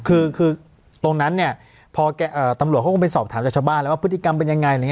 คือตรงนั้นเนี่ยพอตำรวจเขาก็ไปสอบถามจากชาวบ้านแล้วว่าพฤติกรรมเป็นยังไง